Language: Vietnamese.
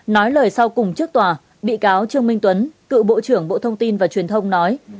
nói lời sau cùng trước tòa bị cáo trương minh tuấn cựu bộ trưởng bộ thông tin và truyền thông nói